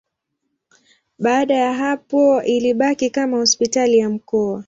Baada ya hapo ilibaki kama hospitali ya mkoa.